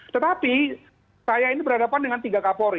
tetapi saya ini berhadapan dengan tiga kapolri